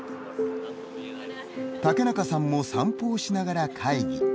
竹中さんも散歩をしながら会議。